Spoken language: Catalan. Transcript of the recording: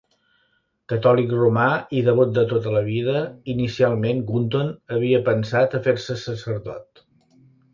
Catòlic romà i devot de tota la vida, inicialment Gunton havia pensat a fer-se sacerdot.